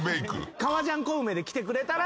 革ジャンコウメで来てくれたら。